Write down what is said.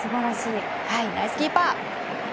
ナイスキーパー！